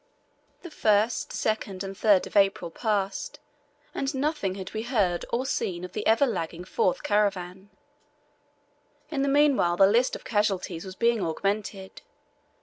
The 1st, 2nd, and 3rd of April passed, and nothing had we heard or seen of the ever lagging fourth caravan. In the meanwhile the list of casualties was being augmented.